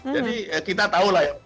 jadi kita tahu lah ya